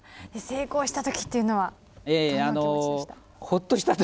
成功した時っていうのはどんな気持ちでした？